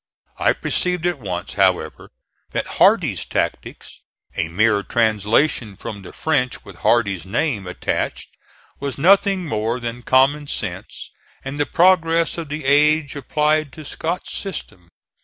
I perceived at once, however, that Hardee's tactics a mere translation from the French with Hardee's name attached was nothing more than common sense and the progress of the age applied to Scott's system.